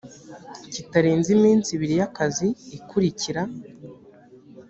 kitarenze iminsi ibiri y akazi ikurikira